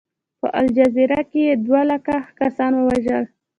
په الجزایر کې یې دوه لکه کسان ووژل.